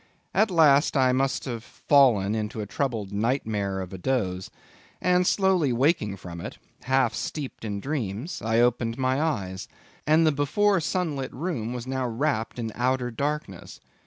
At last I must have fallen into a troubled nightmare of a doze; and slowly waking from it—half steeped in dreams—I opened my eyes, and the before sun lit room was now wrapped in outer darkness.